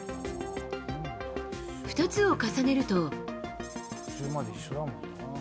２つを重ねると。